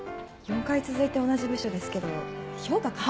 ４回続いて同じ部署ですけど評価偏って。